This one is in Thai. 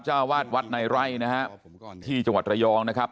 เจ้าวาดวัดในไร่นะฮะที่จังหวัดระยองนะครับ